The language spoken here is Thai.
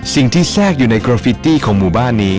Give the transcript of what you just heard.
แทรกอยู่ในกราฟิตี้ของหมู่บ้านนี้